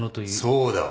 そうだ。